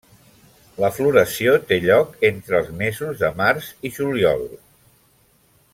La floració té lloc entre els mesos de març i juliol.